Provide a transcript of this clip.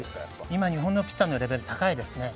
今、日本のピッツァのレベルは高いですね。